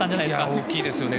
大きいですよね。